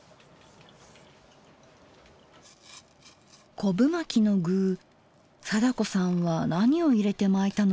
こぶまきの具貞子さんは何を入れて巻いたのかな。